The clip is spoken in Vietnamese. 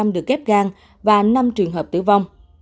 một mươi bốn được kép gan và năm trường hợp tử vong